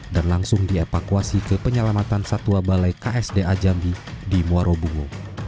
dan langsung dievakuasi ke penyelamatan satwa balai ksda jambi di mwaro bungo